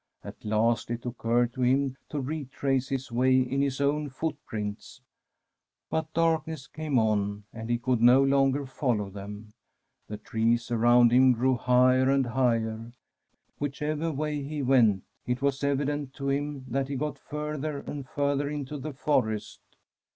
At last it occurred to him to retrace his way in his own footprints, but darkness came on, and he could no longer follow them. The trees around him grew higher and higher. Whichever way he went, it was evident to hiip that he got further and further into the forest.